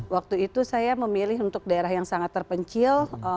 waktu itu saya memilih untuk daerah yang sangat terpencil